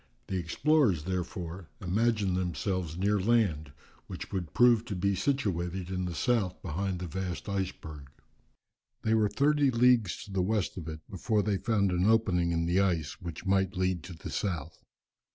The explorers, therefore, imagined themselves near land, which would prove to be situated in the south behind the vast iceberg. They were thirty leagues to the west of it, before they found an opening in the ice which might lead to the south.